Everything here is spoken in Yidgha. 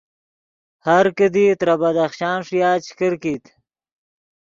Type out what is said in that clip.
ہر کیدی ترے بدخشان ݰویا چے کرکیت